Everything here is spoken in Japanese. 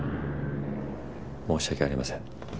申し訳ありません。